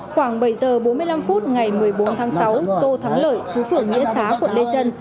khoảng bảy giờ bốn mươi năm phút ngày một mươi bốn tháng sáu tô thắng lợi chú phường nghĩa xá quận lê trân